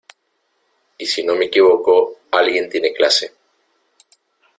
y si no me equivoco, alguien tiene clase